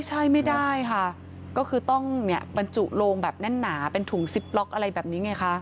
ใช่ไม่ได้ค่ะก็คือต้องบรรจุโลงแบบแน่นหนาเป็นถุงซิปล็อกอะไรแบบนี้ไงคะ